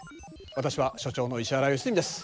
私は所長の石原良純です。